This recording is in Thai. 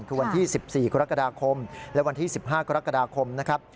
คือวันที่๑๔กรกฎาคมและวันที่๑๕กรกฎาคมนะครับ